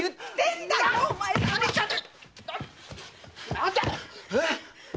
何だよ。